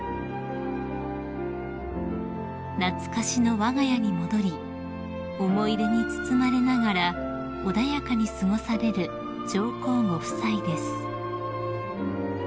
［懐かしのわが家に戻り思い出に包まれながら穏やかに過ごされる上皇ご夫妻です］